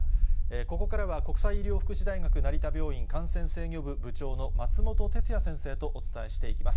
ここからは国際医療福祉大学成田病院感染制御部部長の松本哲哉先生とお伝えしていきます。